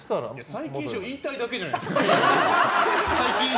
最近仕入れたから言いたいだけじゃないですか。